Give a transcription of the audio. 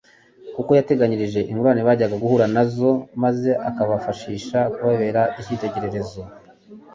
kuko yateganyirije ingorane bajyaga guhura nazo, maze akabafashisha kubabera icyitegererezo.